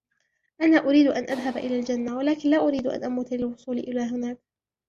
أنا أريد أن أذهب إلي الجنة, ولكن لا أريد أن أموت للوصول إلى هناك!